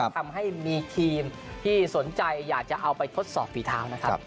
ทำให้มีทีมที่สนใจอยากจะเอาไปทดสอบฝีเท้านะครับ